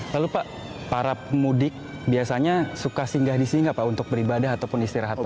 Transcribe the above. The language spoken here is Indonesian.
lalu pak para pemudik biasanya suka singgah di sini nggak pak untuk beribadah ataupun istirahat pak